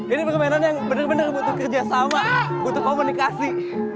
ini permainan yang benar benar butuh kerjasama butuh komunikasi